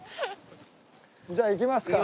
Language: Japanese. じゃあ行きますか。